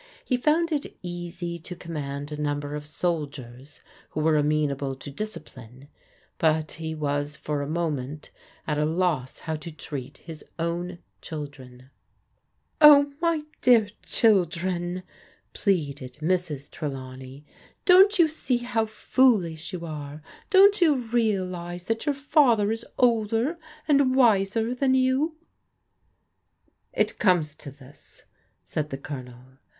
He found it easy to command a number of soldiers who were amenable to discipline ; but he was for a moment at a loss how to treat his own children. "Oh, my dear children," pleaded Mrs. Trdawtie^, 56 PRODIGAL DAUGHTEBS " don't you sec how foolish you are? Don't yott realize that your father is older and wiser than you ?"" It comes to this," said the Colonel.